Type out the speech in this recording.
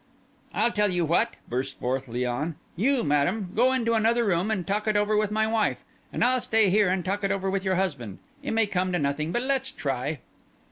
"I'll tell you what," burst forth Léon; "you, Madame, go into another room and talk it over with my wife; and I'll stay here and talk it over with your husband. It may come to nothing, but let's try."